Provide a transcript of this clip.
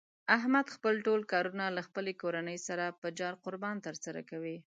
احمد خپل ټول کارونه له خپلې کورنۍ سره په جار قربان تر سره کوي.